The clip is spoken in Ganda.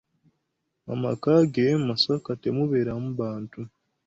Amaka ge e Masaka temubeeramu bantu.